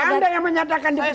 anda yang menyatakan dipecat